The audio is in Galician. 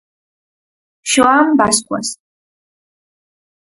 Xoán Bascuas.